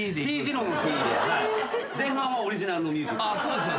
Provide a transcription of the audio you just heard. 前半はオリジナルのミュージックで。